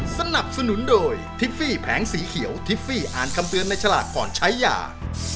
สนับสนุนโดยทิฟฟี่แผงสีเขียวทิฟฟี่อ่านคำเตือนในฉลากก่อนใช้ยา